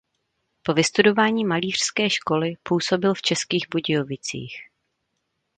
Po vystudování malířské školy působil v Českých Budějovicích.